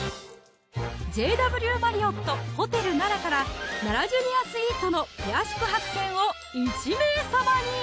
ＪＷマリオット・ホテル奈良から「ＮＡＲＡジュニアスイートのペア宿泊券」を１名様に！